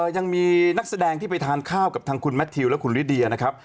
ยังมีนักแสดงที่ไปทานข้าวกับทางคุณแมททิวและคุณลิเดียนะครับ